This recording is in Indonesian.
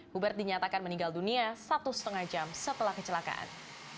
buber dinyatakan meninggal dunia satu setengah jam setelah kecelakaan